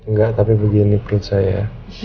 enggak tapi begini pelit saya